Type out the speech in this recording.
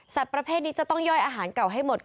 ประเภทนี้จะต้องย่อยอาหารเก่าให้หมด